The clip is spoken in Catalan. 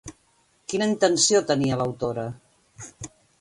Quina intenció tenia l'autora?